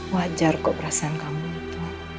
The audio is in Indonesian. wajar kok perasaan kamu itu